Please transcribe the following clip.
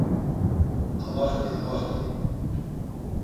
Amaxti, amaxti.